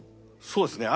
そうですね。